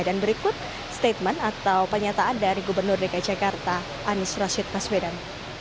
dan berikut statement atau penyataan dari gubernur dki jakarta anis rashid baswedan